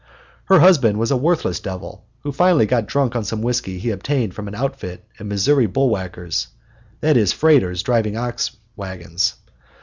Her husband was a worthless devil, who finally got drunk on some whisky he obtained from an outfit of Missouri bull whackers that is, freighters, driving ox wagons.